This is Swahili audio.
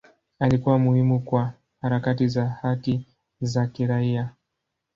Alikuwa muhimu kwa harakati za haki za kiraia.